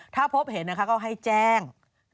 ถ้าพบเห็นนะคะก็ให้แจ้ง